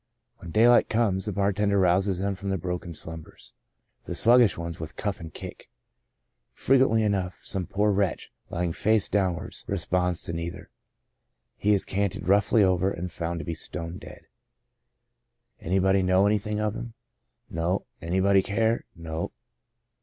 When daylight comes, a bartender rouses them from their broken slumbers — the slug gish ones with cuff and kick. Frequently enough, some poor wretch, lying face down ward, responds to neither. He is canted roughly over, and found to be stone dead ! Anybody know anything of him ? No. Anybody care? No.